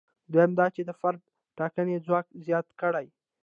دویم دا چې د فرد د ټاکنې ځواک زیات کړي.